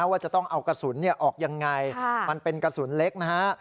ว่าจะต้องเอากระสุนออกยังไงมันเป็นกระสุนเล็กนะฮะ